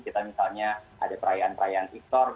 kita misalnya ada perayaan perayaan istor